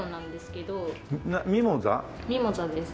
ミモザです。